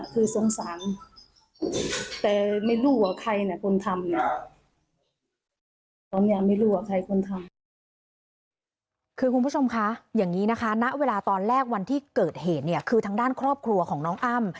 คือคุณผู้ชมคะอย่างนี้นะคะณเวลาตอนแรกวันที่เกิดเหตุเนี่ยคือทางด้านครอบครัวของน้องอ้ำ